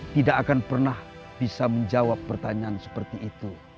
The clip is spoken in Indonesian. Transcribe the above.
tidak akan pernah bisa menjawab pertanyaan seperti itu